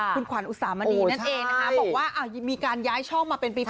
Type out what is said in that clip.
คุณขวัญอุสามณีนั่นเองนะคะบอกว่ามีการย้ายช่องมาเป็นปี๒